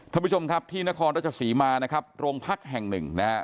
ท่านผู้ชมครับที่นครราชสีมานะครับโรงพักแห่งหนึ่งนะฮะ